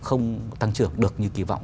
không tăng trưởng được như kỳ vọng